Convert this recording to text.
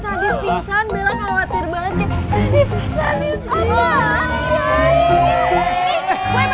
tapi tadi pas nadif pingsan bella khawatir banget ya